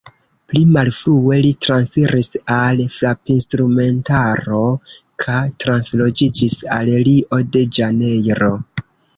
Pli malfrue li transiris al frapinstrumentaro ka transloĝiĝis al Rio-de-Ĵanejro.